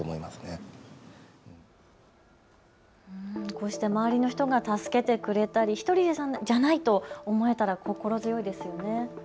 こうして周りの人が助けてくれたり１人じゃないと思えたら心強いですよね。